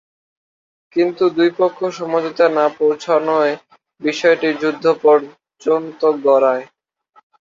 কিন্তু, দুই পক্ষ সমঝোতায় না পৌঁছানোয় বিষয়টি যুদ্ধ পর্যন্ত গড়ায়।